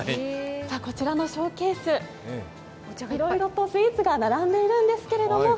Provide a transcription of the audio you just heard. こちらのショーケースいろいろとスイーツが並んでいるんですけども。